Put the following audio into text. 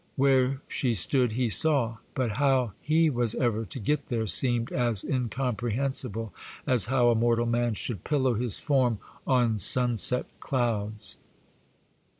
Where she stood he saw; but how he was ever to get there seemed as incomprehensible as how a mortal man should pillow his form on sunset clouds.